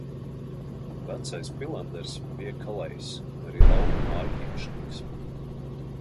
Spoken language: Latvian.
Vecais Pilanders bija kalējs un arī lauku māju īpašnieks.